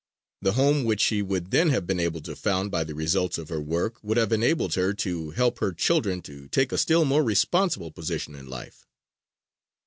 The home which she would then have been able to found by the results of her work would have enabled her to help her children to take a still more responsible position in life.